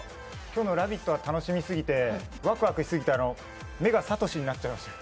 今日の「ラヴィット！」は楽しみすぎてワクワクしすぎて、目がサトシになっちゃいました。